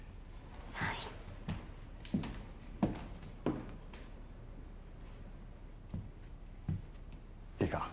はい。